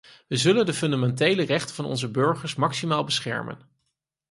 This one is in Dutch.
We zullen de fundamentele rechten van onze burgers maximaal beschermen.